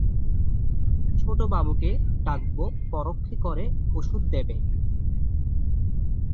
ছোটবাবুকে ডাকব পরক্ষে করে ওষুধ দেবে?